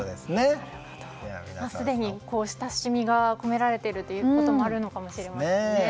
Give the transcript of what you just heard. すでに親しみが込められているということもあるのかもしれませんね。